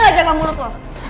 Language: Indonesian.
bisa gak jaga mulut lu